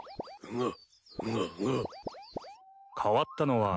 うん。